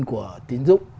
của tín dụng